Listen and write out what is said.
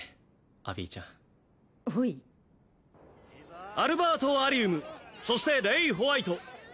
アビーちゃんおいアルバート＝アリウムそしてレイ＝ホワイト